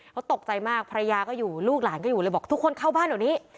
เขาตกใจมากภรรยาก็อยู่ลูกหลานก็อยู่เลยบอกทุกคนเข้าบ้านเดี๋ยวนี้